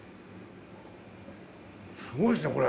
すごいですねこれ。